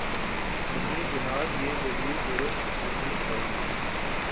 نہیں جناب، یہ دلیل درست نہیں ہے۔